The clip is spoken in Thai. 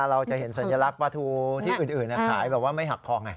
เราจะเห็นสัญลักษณ์ปลาทูที่อื่นขายแบบว่าไม่หักคอไง